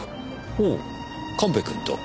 ほう神戸君と。